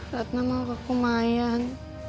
ratna mau ke kumayan